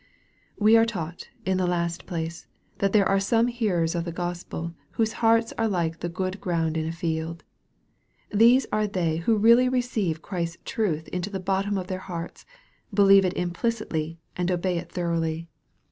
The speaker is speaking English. We are taught, in the last place, that there are some hearers of the Gospel, whose hearts are like the good ground in afald. These are they who really receive Christ's truth into the bottom of their hearts, believe it implicitly, and obey it thoroughly.